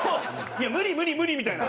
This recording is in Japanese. いや無理無理無理みたいな。